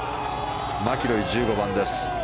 マキロイ、１５番です。